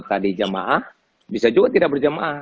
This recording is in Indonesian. tadi jemaah bisa juga tidak berjemaah